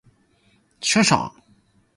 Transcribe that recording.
仆崩個鼻